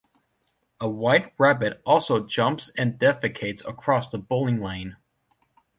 A white rabbit also jumps and defecates across the bowling lane.